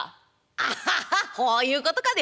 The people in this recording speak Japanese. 「アハハほういうことかね。